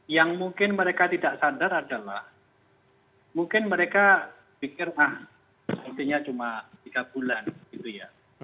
yang mungkin mereka tidak sadar adalah mungkin mereka pikir ah sepertinya cuma tiga bulan gitu ya